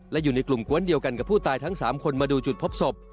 และอยู่ในกลุ่มกวนเดียวกันกับผู้ตายทั้ง๓คนมาดูจุดพบศพ